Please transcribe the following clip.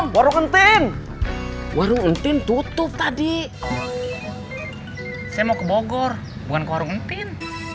baru kenteng warung entin tutup tadi saya mau ke bogor bukan ke warung entin